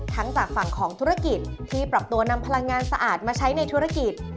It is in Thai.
จากฝั่งของธุรกิจที่ปรับตัวนำพลังงานสะอาดมาใช้ในธุรกิจ